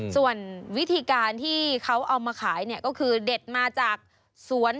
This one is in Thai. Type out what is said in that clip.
ส่วนวิธีการที่เขาเอามาขายเนี่ยก็คือเด็ดมาจากสวน